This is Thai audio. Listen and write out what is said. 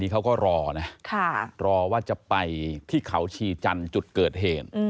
เขาก็รอนะรอว่าจะไปที่เขาชีจันทร์จุดเกิดเหตุ